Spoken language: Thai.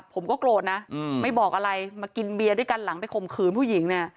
ผมก็โกรธนะไม่บอกอะไรมากินเบียร์ด้วยกันหลังไปข่มขืนผู้หญิงเนี่ย